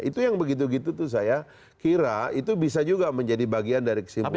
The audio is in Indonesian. itu yang begitu begitu saya kira itu bisa juga menjadi bagian dari kesimpulan